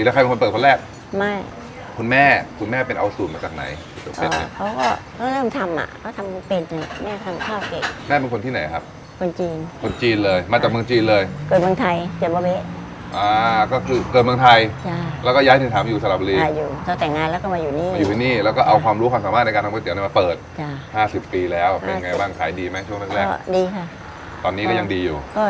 จากไหนเขาเริ่มทำอ่ะเขาทำเป็นแม่ทำข้าวเก่งแม่เป็นคนที่ไหนครับคนจีนคนจีนเลยมาจากเมืองจีนเลยเกิดเมืองไทยเจ็บเมาะเบ๊ะอ่าก็คือเกิดเมืองไทยแล้วก็ย้ายถึงถามอยู่สระบรีต้องแต่งงานแล้วก็มาอยู่นี่อยู่นี่แล้วก็เอาความรู้ความสามารถในการทำก๋วยเตี๋ยวมาเปิดห้าสิบปีแล้วเป็นไงบ้างขายดีไหมช่วงแรกดี